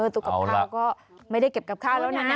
ตัวกับข้าวก็ไม่ได้เก็บกับข้าวแล้วนะ